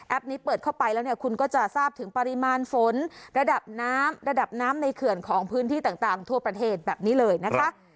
นี้เปิดเข้าไปแล้วเนี่ยคุณก็จะทราบถึงปริมาณฝนระดับน้ำระดับน้ำในเขื่อนของพื้นที่ต่างทั่วประเทศแบบนี้เลยนะคะ